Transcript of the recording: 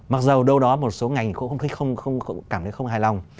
mặc dù đâu đó một số ngành cũng không cảm thấy không hài lòng